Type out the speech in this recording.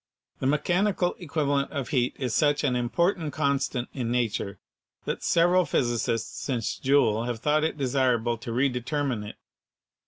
The mechanical equivalent of heat is such an important constant in nature that several physicists since Joule have thought it desirable to redetermine it.